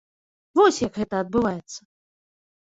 Вось як гэта адбываецца.